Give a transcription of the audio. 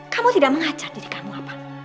kamu tidak mengajak diri kamu apa